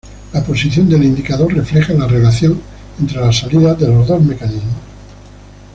La posición del indicador refleja la relación entre las salidas de los dos mecanismos.